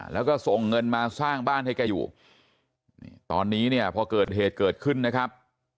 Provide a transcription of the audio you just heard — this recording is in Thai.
แล้วก็ส่งเงินมาสร้างบ้านให้แกอยู่นี่ตอนนี้เนี่ยพอเกิดเหตุเกิดขึ้นนะครับ